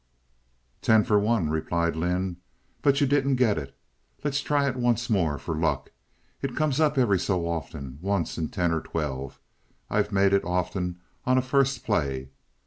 "Ten for one," replied Lynde; "but you didn't get it. Let's try it once more for luck. It comes up every so often—once in ten or twelve. I've made it often on a first play.